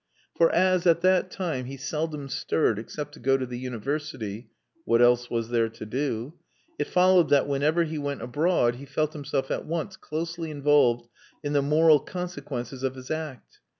For as, at that time, he seldom stirred except to go to the University (what else was there to do?) it followed that whenever he went abroad he felt himself at once closely involved in the moral consequences of his act.